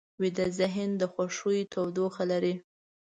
ویده ذهن د خوښیو تودوخه لري